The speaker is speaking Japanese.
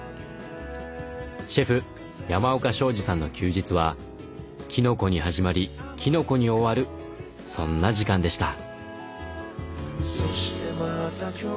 シェフ山岡昌治さんの休日はきのこに始まりきのこに終わるそんな時間でした。